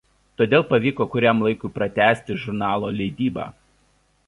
Todėl pavyko kuriam laikui pratęsti žurnalo leidybą.